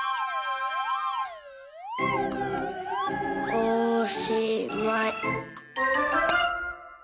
おしまい！